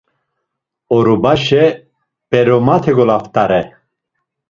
Orubaşe p̌eromate golaft̆are.